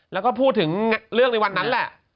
แล้วก็พูดถึงเรื่องในวันนั้นแหละ